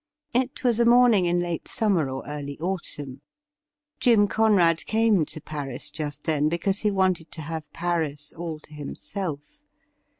It was a morning in late summer or early autumn. Jim Conrad came to Paris just then because he wanted to have Paris all to himself.